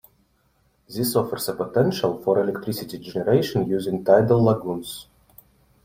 This offers a potential for electricity generation using tidal lagoons.